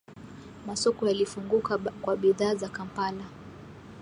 Masoko yalifunguka kwa bidhaa za Kampala